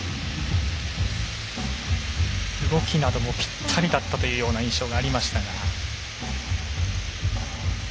動きなどもぴったりだったという印象もありましたが。